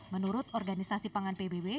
menurut organisasi pangan pbb